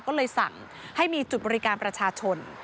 ก็เลยสั่งให้มีจุดบริการประชาชน